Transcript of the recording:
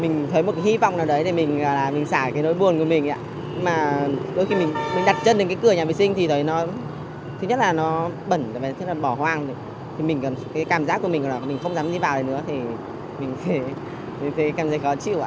nhưng tại sao lại có việc